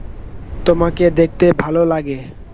তোমাকে দেখতে ভাল লাগে।